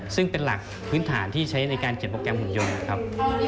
ซึ่งเป็นหลักพื้นฐานที่ใช้ในการเก็บโปรแกรมหุ่นยนต์นะครับ